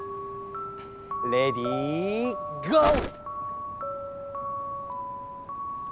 レディーゴー！